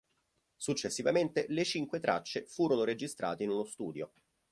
Successivamente le cinque tracce furono registrate in uno studio.